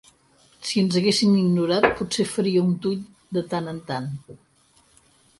Si ens haguessin ignorat, potser faria un tweet de tant en tant.